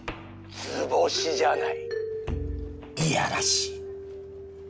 図星じゃないいやらしい